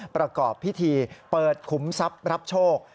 ประกอบพิธีเปิดขุมทรัพย์รับโชค